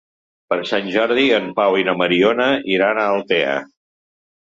Per Sant Jordi en Pau i na Mariona iran a Altea.